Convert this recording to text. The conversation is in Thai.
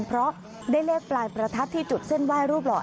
เพราะได้เลขปลายประทัดที่จุดเส้นไหว้รูปหล่อ